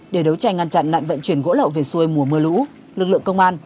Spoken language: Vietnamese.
để đấu tranh ngăn chặn nạn vận chuyển gỗ lậu về xuôi mùa mưa lũ lực lượng công an